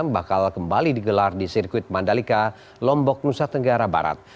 bakal kembali digelar di sirkuit mandalika lombok nusa tenggara barat